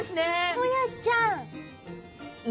ホヤちゃん。